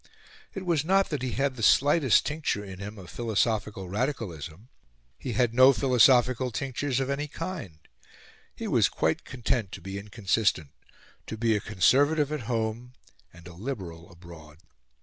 It was not that he had the slightest tincture in him of philosophical radicalism; he had no philosophical tinctures of any kind; he was quite content to be inconsistent to be a Conservative at home and a Liberal abroad.